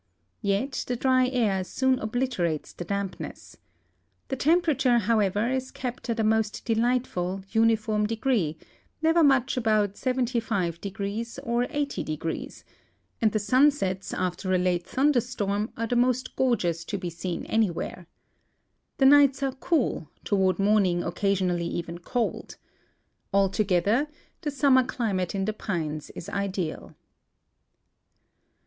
Yet the dry air soon obliterates the dampness. The temperature, however, is kept at a most delightful, uniform de gree, never much above 75° or 80°, and the sunsets after a late thunderstorm are the most gorgeous to be seen anywhere. The nights are cool, toward morning occasionally even cold. Alto gether the summer climate in the pines is ideal.